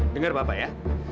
dengar papa ya